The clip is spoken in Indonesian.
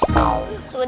batu gote kertas